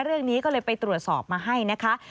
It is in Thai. เรื่องนี้ก็เลยไปตรวจสอบมาให้นะคะ